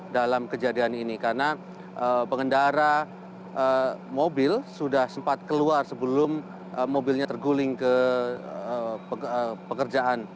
dalam kejadian ini karena pengendara mobil sudah sempat keluar sebelum mobilnya terguling ke pekerjaan